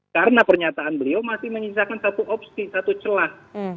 karena pernyataan beliau masih menyisakan satu opsi satu celah